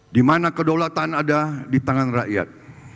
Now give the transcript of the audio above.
dimana kedaulatan ada di tangan rakyat